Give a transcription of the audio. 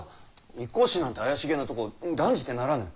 一向宗なんて怪しげなとこ断じてならぬ。